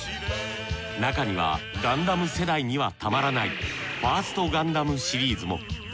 中にはガンダム世代にはたまらないファーストガンダムシリーズも。